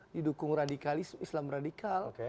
didukung islam radikal